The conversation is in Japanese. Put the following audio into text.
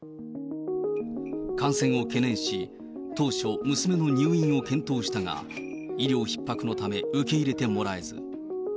感染を懸念し、当初、娘の入院を検討したが、医療ひっ迫のため受け入れてもらえず。